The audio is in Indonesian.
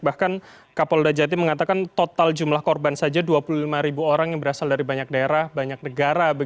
bahkan kapolda jati mengatakan total jumlah korban saja dua puluh lima ribu orang yang berasal dari banyak daerah banyak negara